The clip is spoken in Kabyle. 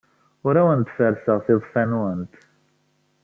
Ur awent-ferrseɣ tiḍeffa-nwent.